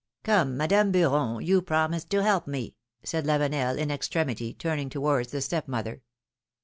Come, Madame Beuron, you promised to help me,'^ said Lavenel, in extremity, turning towards the step mother.